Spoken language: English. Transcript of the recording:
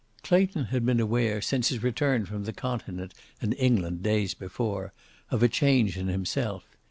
Clayton had been aware, since his return from the continent and England days before, of a change in himself.